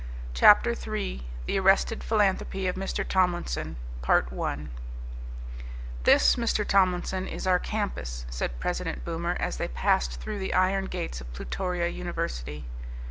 CHAPTER THREE: The Arrested Philanthropy of Mr. Tomlinson "This, Mr. Tomlinson, is our campus," said President Boomer as they passed through the iron gates of Plutoria University.